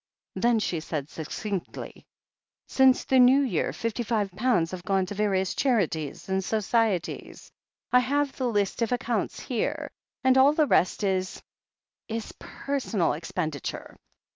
Then she said succinctly : "Since the New Year fifty five pounds have gone to various charities and societies — I have the list of ac counts here — ^and all the rest is — is personal expendi ture."